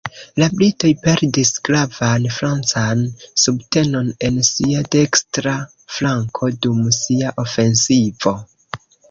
La britoj perdis gravan francan subtenon en sia dekstra flanko dum sia ofensivo.